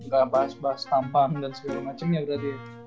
gak bahas bahas tampang dan segala macemnya berarti ya